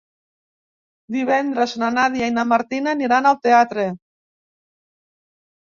Divendres na Nàdia i na Martina aniran al teatre.